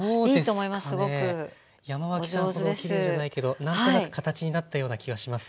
山脇さんほどきれいじゃないけど何となく形になったような気はします。